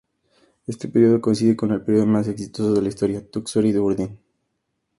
Este periodo coincide con el periodo más exitoso de la historia "txuri-urdin".